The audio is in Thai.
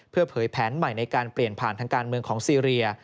เพื่อเผยแผนใหม่ในการเปลี่ยนผ่านทางการเมืองของซีเรีย